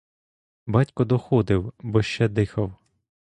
Батько доходив, бо ще дихав.